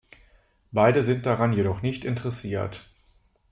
Beide sind daran jedoch nicht interessiert.